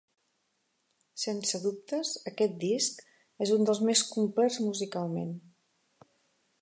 Sense dubtes, aquest disc és uns dels més complets musicalment.